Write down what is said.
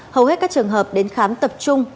hầu hết các trường hợp đến khám tập trung